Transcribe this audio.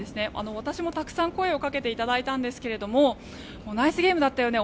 私もたくさん声をかけていただいたんですがナイスゲームだったよね